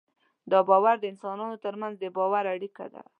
دا باور د انسانانو تر منځ د باور اړیکه ده.